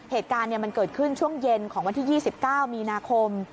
เหตุการณ์มันเกิดขึ้นช่วงเย็นของวันที่๒๙มีนาคม